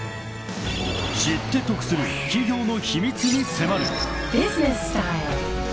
［知って得する企業の秘密に迫る］